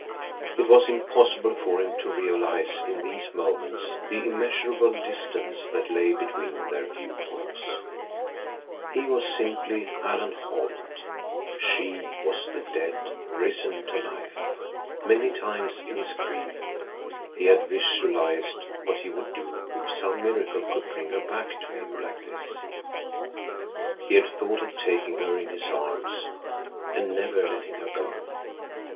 It was impossible for him to realize in these moments the immeasurable distance that lay between their viewpoints. He was simply Alan Holt—she was the dead risen to life. Many times in his grief he had visualized what he would do if some miracle could bring her back to him like this; he had thought of taking her in his arms and never letting her go.